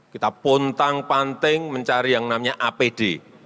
kita pun tang panting mencari yang namanya apd